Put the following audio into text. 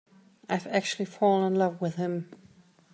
I've actually fallen in love with him.